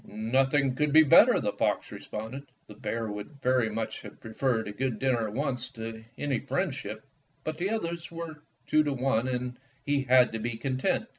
"Nothing could be better," the fox re sponded. The bear would very much have pre ferred a good dinner at once to any friend ship, but the others were two to one, and he had to be content.